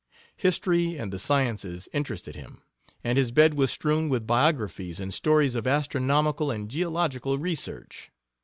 History and the sciences interested him, and his bed was strewn with biographies and stories of astronomical and geological research.